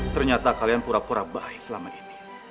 ternyata kalian pura pura baik selama ini